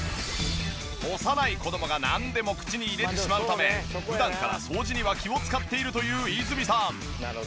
幼い子供がなんでも口に入れてしまうため普段から掃除には気を使っているという和泉さん。